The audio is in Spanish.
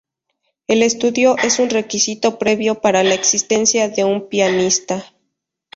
El estudio es un requisito previo para la existencia de un pianista.